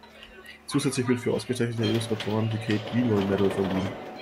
Zusätzlich wird für ausgezeichnete Illustratoren die Kate Greenaway Medal verliehen.